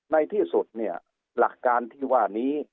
ในที่สุดเนี่ยหลักการที่ว่านี้